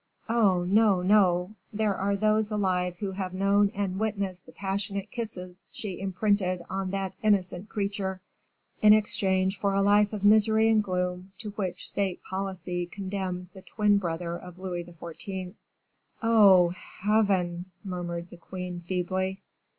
Oh, no, no; there are those alive who have known and witnessed the passionate kisses she imprinted on that innocent creature in exchange for a life of misery and gloom to which state policy condemned the twin brother of Louis XIV." "Oh! Heaven!" murmured the queen feebly.